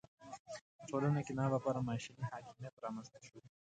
په ټولنه کې ناببره ماشیني حاکمیت رامېنځته شو.